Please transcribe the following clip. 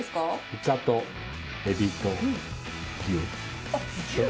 イカとエビと、牛。